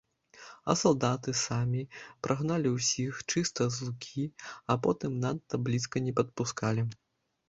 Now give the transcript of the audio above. А салдаты самі прагналі ўсіх чыста з лукі і потым надта блізка не падпускалі.